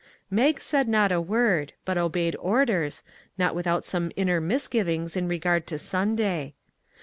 Mag said not a word, but obeyed orders, not without some inner misgivings in regard to Sunday.